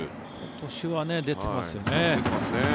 今年は出てますよね。